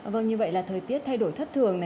vâng như vậy là thời tiết thay đổi thất thường này